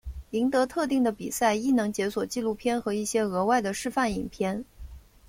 赢得特定的比赛亦能解锁纪录片和一些额外的示范影片。